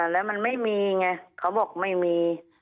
แล้วมันไม่มีไงเขาบอกไม่มี